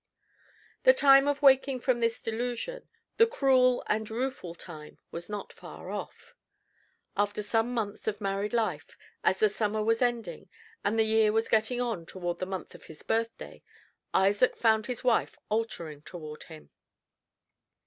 The time of waking from this delusion the cruel and the rueful time was not far off. After some quiet months of married life, as the summer was ending, and the year was getting on toward the month of his birthday, Isaac found his wife altering toward him.